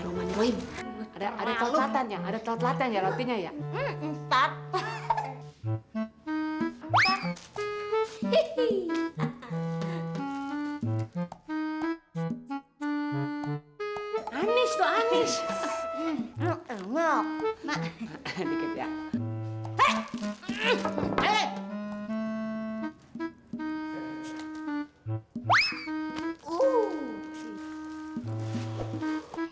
jangan lebar lebar bau